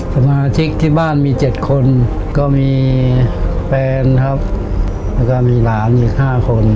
สมาชิกที่บ้านมี๗คนก็มีแฟนครับแล้วก็มีหลานอีก๕คน